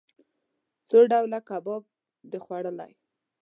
څو ډوله کباب د خوړلئ؟